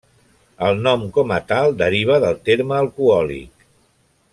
El nom com a tal deriva del terme alcohòlic.